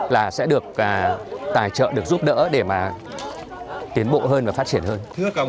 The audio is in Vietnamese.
và tài trợ được giúp đỡ để mà tiến bộ hơn và phát triển hơn